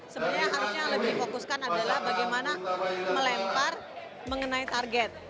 sebenarnya harusnya lebih difokuskan adalah bagaimana melempar mengenai target